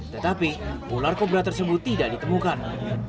tetapi ular kobra tersebut tidak ditemukan